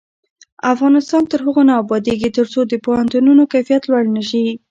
افغانستان تر هغو نه ابادیږي، ترڅو د پوهنتونونو کیفیت لوړ نشي.